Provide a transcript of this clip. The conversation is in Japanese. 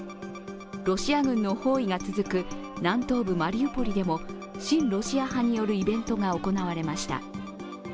ロシア軍の包囲が続く南東部マリウポリでも親ロシア派によるイベントが行われました。